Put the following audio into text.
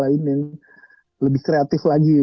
jadi kita harus lebih kreatif lagi